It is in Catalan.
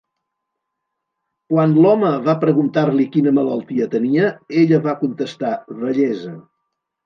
Quan l'home va preguntar-li quina malaltia tenia, ella va contestar: "vellesa".